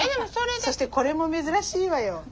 そしてこれも珍しいわよ。